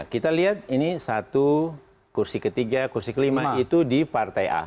kita lihat ini satu kursi ketiga kursi kelima itu di partai a